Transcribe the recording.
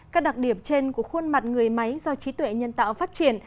các đặc điểm trên của khuôn mặt người máy do trí tuệ nhân tạo phát triển